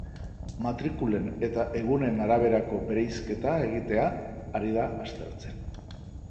Matrikulen eta egunen araberako bereizketa egitea ari da aztertzen.